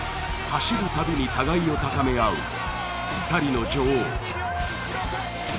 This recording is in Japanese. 走るたびに互いを高め合う２人の女王。